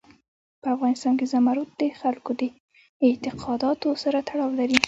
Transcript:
په افغانستان کې زمرد د خلکو د اعتقاداتو سره تړاو لري.